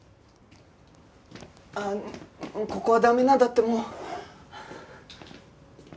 あっここは駄目なんだってもう。